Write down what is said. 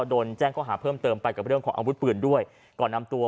โดนแจ้งข้อหาเพิ่มเติมไปกับเรื่องของอาวุธปืนด้วยก่อนนำตัว